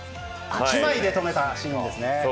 １枚で止めたシーンですね。